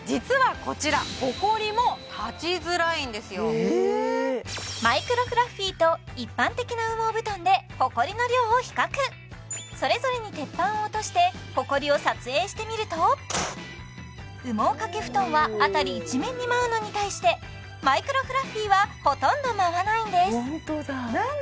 実はこちらマイクロフラッフィーと一般的な羽毛布団でほこりの量を比較それぞれに鉄板を落としてほこりを撮影してみると羽毛掛け布団は辺り一面に舞うのに対してマイクロフラッフィーはほとんど舞わないんです